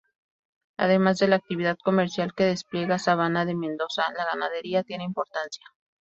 Además de la actividad comercial que despliega Sabana de Mendoza, la ganadería tiene importancia.